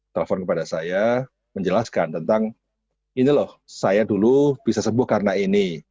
telepon kepada saya menjelaskan tentang ini loh saya dulu bisa sembuh karena ini